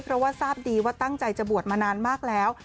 เพราะว่าทราบดีว่าตั้งใจจะบวชมานานมากแล้ว